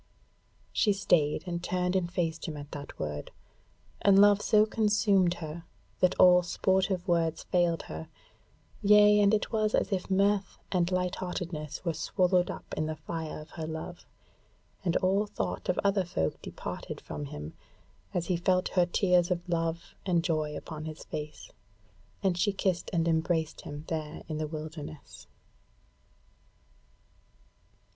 She stayed, and turned and faced him at that word; and love so consumed her, that all sportive words failed her; yea and it was as if mirth and light heartedness were swallowed up in the fire of her love; and all thought of other folk departed from him as he felt her tears of love and joy upon his face, and she kissed and embraced him there in the wilderness.